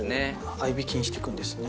合いびきにしてくんですね